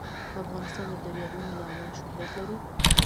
افغانستان د دریابونه له امله شهرت لري.